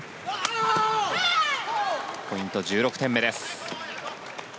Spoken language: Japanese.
ポイント、１６点目です。